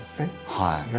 はい。